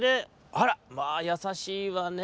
「あらっまあやさしいわねぇ。